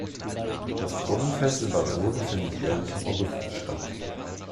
Das Brunnenfest in Bad Soden findet jährlich im August statt.